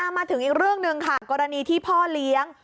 มาถึงอีกเรื่องหนึ่งค่ะกรณีที่พ่อเลี้ยง